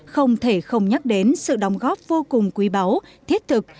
không thể không nhắc đến sự đóng góp vô cùng quý báu thiết thực